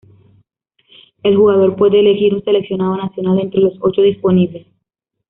El jugador puede elegir un seleccionado nacional entre los ocho disponibles.